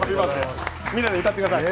みんなで歌ってください。